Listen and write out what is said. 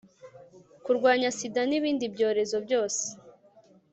kurwanya sida n ibindi byorezo byose